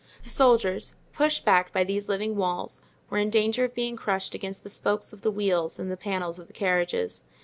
The soldiers, pushed back by these living walls, were in danger of being crushed against the spokes of the wheels and the panels of the carriages.